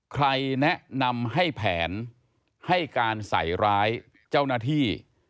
ใครแนะนำให้แผนให้การใส่ร้ายเจ้าหน้าที่